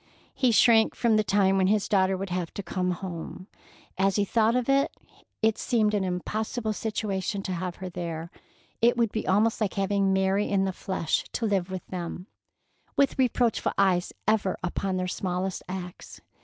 He shrank from the time when his daughter would have to come home. As he thought of it, it seemed an impossible situation to have her there; it would be almost like having Mary in the flesh to live with them, with reproachful eyes ever upon their smallest acts.